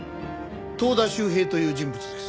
遠田秀平という人物です。